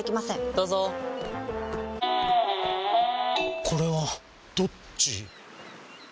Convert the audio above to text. どうぞこれはどっち？